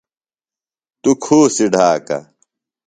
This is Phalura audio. توۡ کُھوسیۡ ڈھاکہ۔